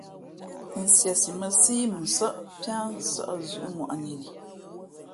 Nsiesi mά síí mʉnsάʼ piá nsα̂ʼ zʉ̌ʼŋwαʼni li.